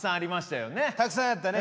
たくさんあったね。